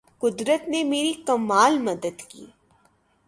قدرت نے میری کمال مدد کی